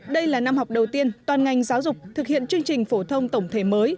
đây là năm học đầu tiên toàn ngành giáo dục thực hiện chương trình phổ thông tổng thể mới